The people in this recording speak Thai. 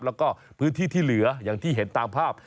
แล้วก็พื้นที่ที่เหลืออย่างที่เห็นตามภาพ